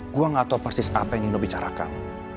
gue gak tau persis apa yang nino bicarakan